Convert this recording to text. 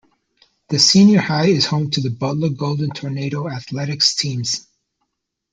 The Senior High is home to the Butler Golden Tornado athletics teams.